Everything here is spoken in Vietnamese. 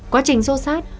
quá trình sô sát